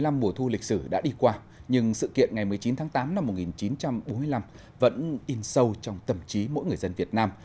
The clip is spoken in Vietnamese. bảy mươi năm mùa thu lịch sử đã đi qua nhưng sự kiện ngày một mươi chín tháng tám năm một nghìn chín trăm bốn mươi năm vẫn in sâu trong tầm trí mỗi người dân việt nam